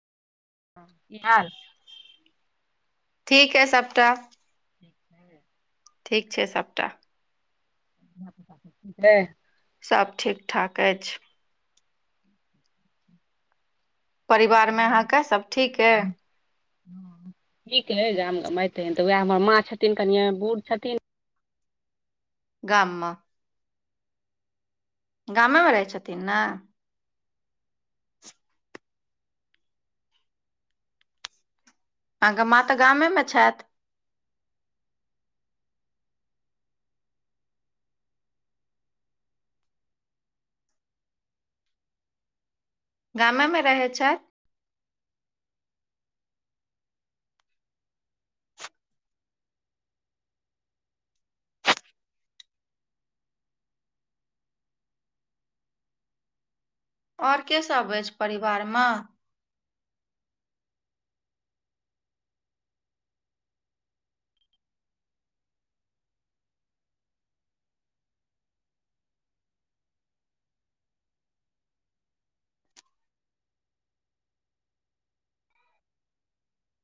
हँ की हाल ठीक अइ सबटा ठीक छै ठीक छै सबटा धिया पुता सब ठीक अइ सब ठीक ठाक अछि परिवारमे अहाँके सभ ठीक अइ हूंम्म ठीक अइ गाम गमाते तऽ उएह हमर माँ छथिन कनि बूढ़ छथिन गाममे गामेमे रहै छथिन ने अहाँके माँ तऽ गामेमे छथि गामे मे रहै छथि आओर केसभ अछि परिवारमे